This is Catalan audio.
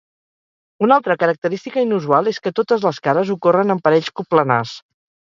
Una altra característica inusual és que totes les cares ocorren en parells coplanars.